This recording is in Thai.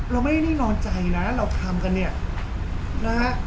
ว่าไม่ได้นอนใจแล้วทำกันเนี่ยนะครับ